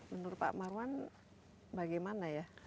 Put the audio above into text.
menurut pak marwan bagaimana ya